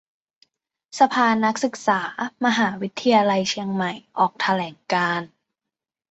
สภานักศึกษามหาวิทยาลัยเชียงใหม่ออกแถลงการณ์